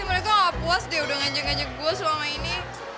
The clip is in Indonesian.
mereka gak puas deh udah nganjek ngajak gue selama ini